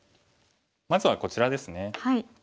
まずはこちらですね。